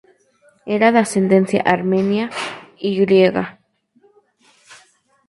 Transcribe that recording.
Era de ascendencia armenia y griega.